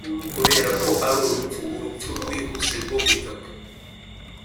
kuberako ari urupfu, urupfu rwihuse rwo gutaka.